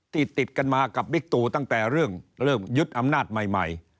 ที่ติดกันมากับวิกตูตั้งแต่เรื่องยุทธ์อำนาจใหม่